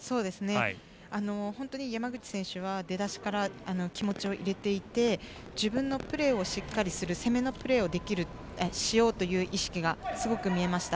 本当に山口選手は出だしから気持ちを入れていって自分のプレーをしっかりする攻めのプレーをしようという意識がすごく見えました。